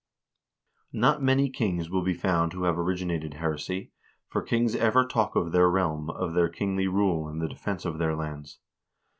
"Not many kings will be found who have originated heresy, for kings ever talk of their realm, of their kingly rule, and the defense of their lands.